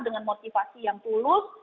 dengan motivasi yang tulus